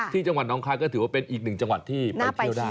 ที่จังหวัดน้องคายก็ถือว่าเป็นอีกหนึ่งจังหวัดที่ไปเที่ยวได้